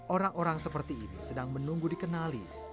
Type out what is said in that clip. orang orang seperti ini sedang menunggu dikenali